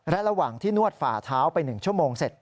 และระหว่างที่นวดฝ่าเท้าไป๑ชั่วโมงเสร็จ